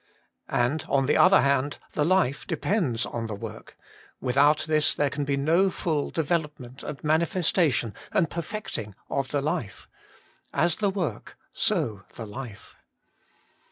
And, on the other hand the life depends on the work; without this there can be no full development and manifestation and per fecting of the life : as the w^ork, so the Hfe.